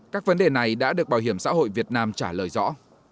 các vấn đề này đã được bảo hiểm xã hội việt nam trả lời rõ